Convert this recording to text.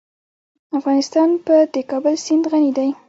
افغانستان په د کابل سیند غني دی.